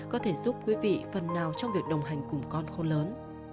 có thể giúp quý vị phần nào trong việc đồng hành cùng con khô lớn